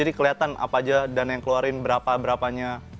dekatan apa aja dan yang keluarin berapa berapanya